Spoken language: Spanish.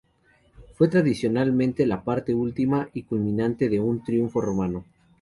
Fue tradicionalmente la parte última, y culminante, de un triunfo romano.